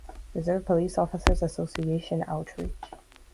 Reserve Police Officers Association Outreach.